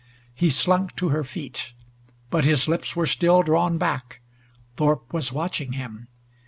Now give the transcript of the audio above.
He slunk to her feet. But his lips were still drawn back. Thorpe was watching him.